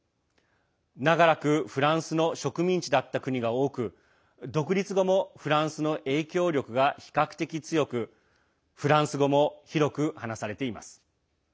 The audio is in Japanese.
長らくフランスの植民地だった国が多く独立後もフランスの影響力が比較的強くフランス語も広く話されています。